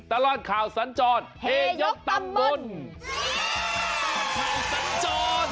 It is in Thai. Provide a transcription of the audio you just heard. ตลอดข่าวสัญจรเฮยกตำรวจ